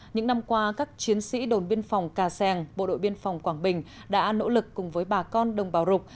những năm qua các chiến sĩ đồn biên phòng cà seng bộ đội biên phòng quảng bình đã nỗ lực cùng với bà con đồng bào rục